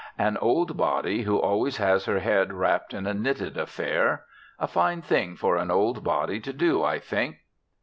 An old body who always has her head wrapped in a knitted affair. A fine thing for an old body to do, I think.